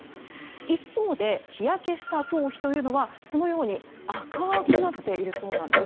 一方で、日焼けした頭皮というのはこのように赤くなっているそうなんです。